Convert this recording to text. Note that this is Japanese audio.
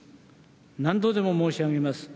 何度でも申し上げます。